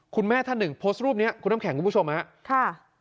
คุณแม่ท่านหนึ่งโพสต์รูปนี้คุณน้ำแข็งคุณผู้ชมฮะค่ะ